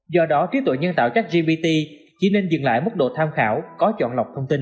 do đó trí tuệ nhân tạo chắc gpt chỉ nên dừng lại mức độ tham khảo có chọn lọc thông tin